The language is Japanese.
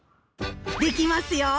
できますよ！